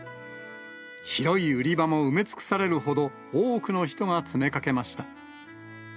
広い売り場も埋め尽くされるほど、多くの人が詰めかけました。